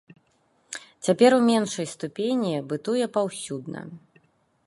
Цяпер у меншай ступені бытуе паўсюдна.